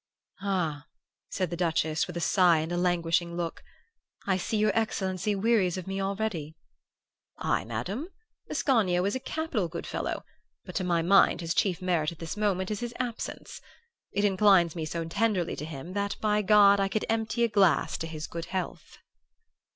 "'Ah,' said the Duchess, with a sigh and a languishing look, 'I see your excellency wearies of me already.' "'I, Madam? Ascanio is a capital good fellow, but to my mind his chief merit at this moment is his absence. It inclines me so tenderly to him that, by God, I could empty a glass to his good health.